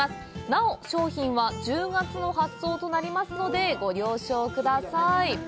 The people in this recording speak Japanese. なお、商品は１０月の発送になりますので、ご了承ください。